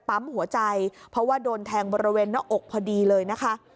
ปั๊มหัวใจเพราะว่าโดนแทงบริเวณหน้าอกพอดีเลยนะคะ